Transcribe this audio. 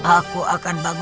aku akan menjagamu